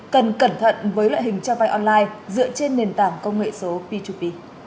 cần cẩn thận với loại hình cho vay online dựa trên nền tảng công nghệ số p hai p